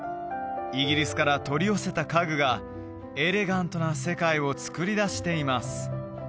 イギリスから取り寄せた家具がエレガントな世界をつくり出しています